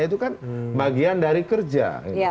itu kan bagian dari kerja